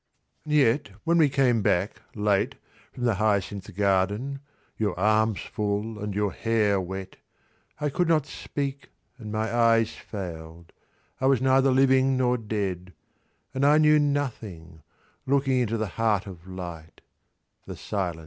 —Yet when we came back, late, from the Hyacinth garden, Your arms full, and your hair wet, I could not Speak, and my eyes failed, I was neither Living nor dead, and I knew nothing, 40 Looking into the heart of light, the silence.